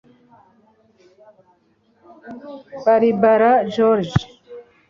Barbara George